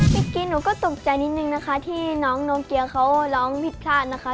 เมื่อกี้หนูก็ตกใจนิดนึงนะคะที่น้องโนเกียเขาร้องผิดพลาดนะคะ